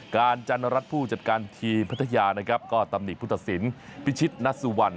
การจันรัฐผู้จัดการทีมพัทยานะครับก็ตำหนิผู้ตัดสินพิชิตนัสสุวรรณ